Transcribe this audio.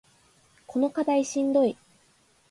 この課題しんどい